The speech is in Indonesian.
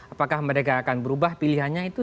apakah mereka akan berubah pilihannya itu